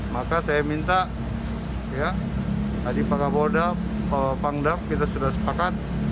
maka saya minta adipakabodap pangdap kita sudah sepakat